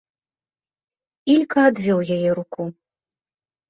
Ілька адвёў яе руку.